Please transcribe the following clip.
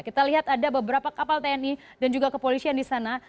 kita lihat ada beberapa kapal tni dan juga kepolisian di sana